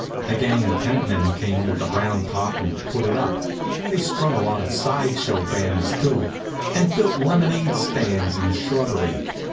A gang of tentmen came with a round top and put it up. They strung a lot of side show banners too, and built lemonade stands in the shrubbery.